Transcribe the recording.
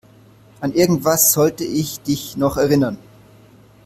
An irgendwas sollte ich dich noch erinnern.